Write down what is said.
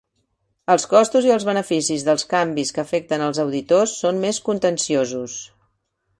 Els costos i els beneficis dels canvis que afecten els auditors són més contenciosos.